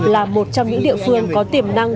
là một trong những địa phương có tiềm năng